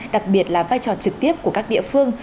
đặc biệt là vai trò trực tiếp của các địa phương